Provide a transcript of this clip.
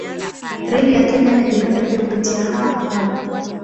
Reli ya Kenya na Uganda pia hupitia hapa.